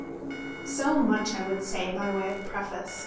So much I would say by way of preface.